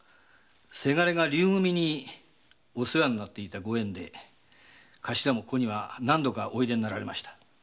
倅が龍組にお世話になっていたご縁でカシラもここへは何度もおみえになられました。